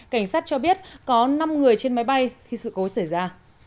cảnh sát cho biết có năm người trên máy bay khi sự cố xảy ra